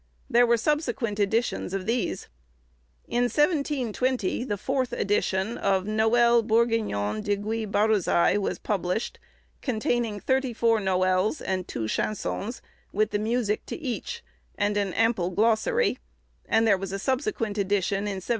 There were subsequent editions of these. In 1720, the fourth edition of 'Noël Bourgignon de Gui Barôzai,' was published, containing thirty four noëls, and two chansons, with the music to each, and an ample glossary; and there was a subsequent edition in 1736.